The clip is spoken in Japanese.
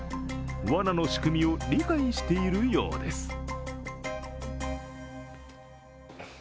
わなの仕組みを理解しているようです。